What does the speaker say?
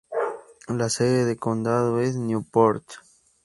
La sede de condado es Newport.